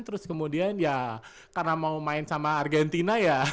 terus kemudian ya karena mau main sama argentina ya